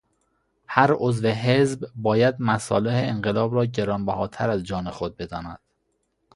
هر عضو حزب باید مصالح انقلاب را گرانبهاتر از جان خود بداند.